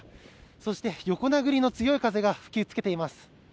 そして、横殴りの強い風が吹きつけています。